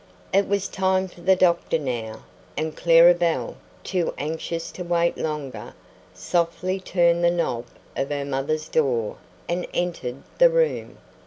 It was time for the doctor now, and Clara Belle, too anxious to wait longer, softly turned the knob of her mother's door and entered the room.